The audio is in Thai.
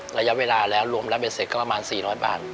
ระยะเวลาแล้วรวมแล้วเบ็ดเสร็จก็ประมาณ๔๐๐บาท